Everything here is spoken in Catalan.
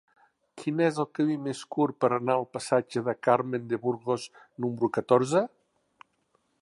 Quin és el camí més curt per anar al passatge de Carmen de Burgos número catorze?